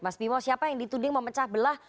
mas mimo siapa yang ditunding memecah belah